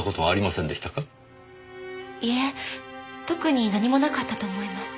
いえ特に何もなかったと思います。